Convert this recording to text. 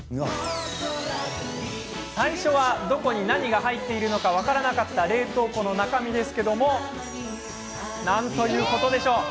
最初は、どこに何が入っているか分からなかった冷凍庫の中身がなんということでしょう。